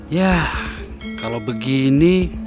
yah kalau begini